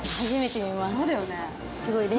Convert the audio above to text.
そうだよね。